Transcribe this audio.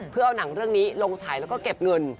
เพื่อเอาหนังเรื่องนี้ลงฉายแล้วก็เก็บเงิน